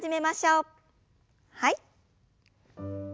はい。